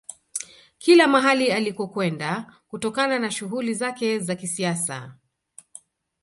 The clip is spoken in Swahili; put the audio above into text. Kila mahali alikokwenda kutokana na shughuli zake za kisiasa